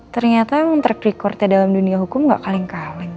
ternyata emang track recordnya dalam dunia hukum nggak kaleng kaleng